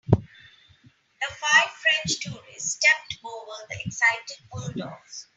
The five French tourists stepped over the excited bulldogs.